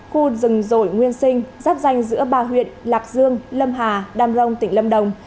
khu rừng rổi nguyên sinh giáp danh giữa ba huyện lạc dương lâm hà đam rông tỉnh lâm đồng